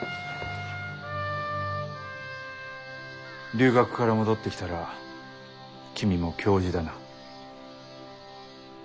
留学から戻ってきたら君も教授だな。